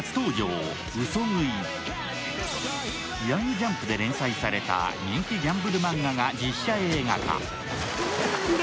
「ヤングジャンプ」で連載された人気ギャンブル漫画が実写映画化。